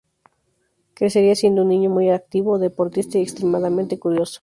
Crecería siendo un niño muy activo, deportista y extremadamente curioso.